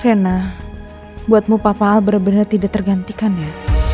enak buatmu papa al benar benar tidak tergantikan ya